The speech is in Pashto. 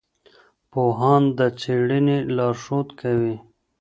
پوهان د څېړنې لارښود کوي.